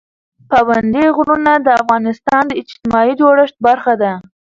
پابندي غرونه د افغانستان د اجتماعي جوړښت برخه ده.